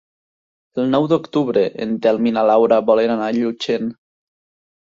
El nou d'octubre en Telm i na Laura volen anar a Llutxent.